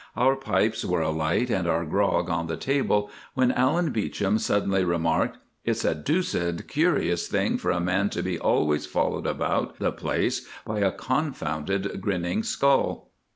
Our pipes were alight and our grog on the table, when Allan Beauchamp suddenly remarked—"It's a deuced curious thing for a man to be always followed about the place by a confounded grinning skull."